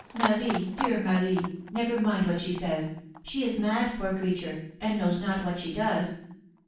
Marie! dear Marie! never mind what she says. She is mad, poor creature, and knows not what she does!"